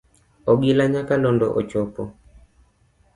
Ogila nyakalondo ochopo.